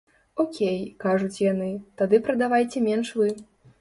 Окей, кажуць яны, тады прадавайце менш вы.